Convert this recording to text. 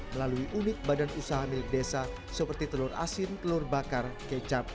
melalui unit badan usaha milik desa seperti telur asin telur bakar kecap